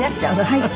はい。